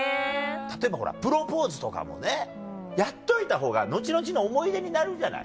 例えばプロポーズとかもねやっといたほうが後々の思い出になるじゃない。